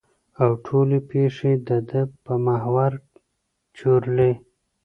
او ټولې پېښې د ده په محور چورلي.